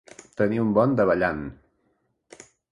Tenir un bon davallant.